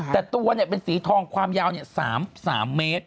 แต่ตัวเป็นสีทองความยาว๓เมตร